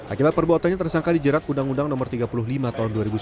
akibat perbuatannya tersangka dijerat undang undang no tiga puluh lima tahun dua ribu sembilan